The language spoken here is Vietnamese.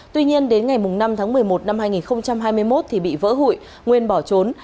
tuy nhiên đến ngày năm tháng một mươi một năm hai nghìn hai mươi một thì bị vỡ hụi nguyên bỏ trốn